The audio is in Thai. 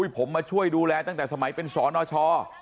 ผมมาช่วยดูแลตั้งแต่สมัยเป็นสนช